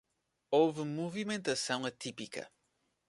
Houve movimentação atípica